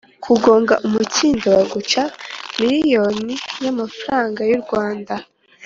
Kugonga umukindo baguca miriyoni ya amafaranga y’urwanda